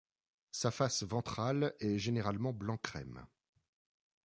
Sa face ventrale est généralement blanc-crème.